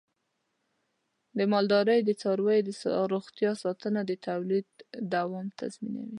د مالدارۍ د څارویو د روغتیا ساتنه د تولید دوام تضمینوي.